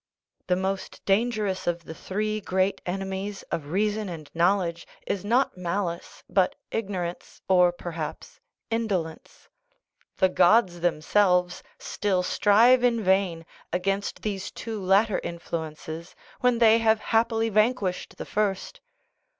The most dangerous of the three great enemies of reason and knowledge is not malice, but ignorance, or, perhaps, indolence. The gods themselves still strive in vain against these two latter influences when they have happily vanquished the first.